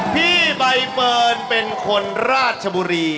พี่ใบเฟิร์นเป็นคนราชบุรี